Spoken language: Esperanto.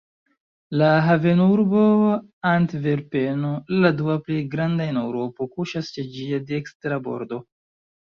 La havenurbo Antverpeno, la dua plej granda en Eŭropo, kuŝas ĉe ĝia dekstra bordo.